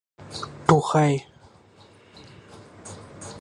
He subsequently became chief of artillery in the Army of West Virginia.